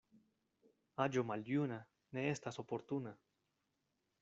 Aĝo maljuna ne estas oportuna.